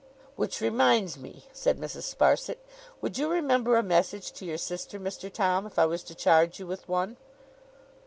'Which reminds me!' said Mrs. Sparsit. 'Would you remember a message to your sister, Mr. Tom, if I was to charge you with one?